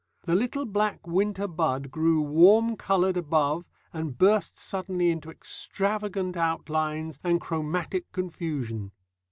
The little black winter bud grew warm coloured above, and burst suddenly into extravagant outlines and chromatic confusion.